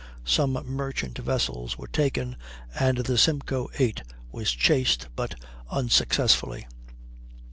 Some merchant vessels were taken, and the Simco, 8, was chased, but unsuccessfully.